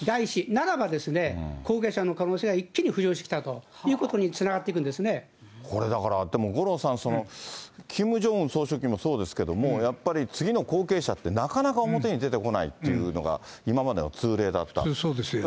ならばですね、後継者の可能性が一気に浮上してきたということにつながっていくこれだから、でも五郎さん、キム・ジョンウン総書記もそうですけども、やっぱり次の後継者って、なかなか表に出てこないというのが、そうですよね。